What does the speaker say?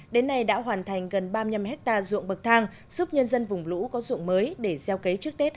đến nay đã hoàn thành gần ba mươi năm hectare ruộng bậc thang giúp nhân dân vùng lũ có ruộng mới để gieo cấy trước tết hai nghìn hai